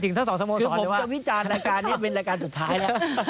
คือผมก็วิจารณ์รายการนี้เป็นรายการสุดท้ายแล้ว